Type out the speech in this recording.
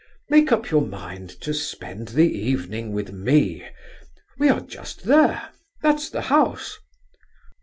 Make up your mind to spend the evening with me.... We are just there—that's the house...